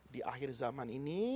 di akhir zaman ini